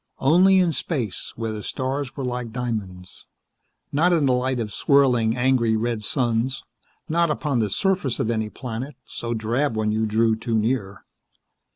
Only in space, where the stars were like diamonds. Not in the light of swirling, angry, red suns, not upon the surface of any planet, so drab when you drew too near.